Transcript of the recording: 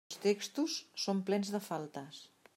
Els textos són plens de faltes.